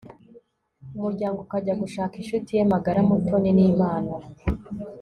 umuryango akajya gushaka inshuti ye magara, mutoni. n'imana